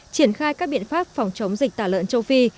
triển khai các biện pháp phòng chống dịch tả lợn châu phi